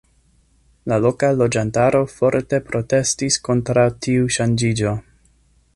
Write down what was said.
La loka loĝantaro forte protestis kontraŭ tiu ŝanĝiĝo.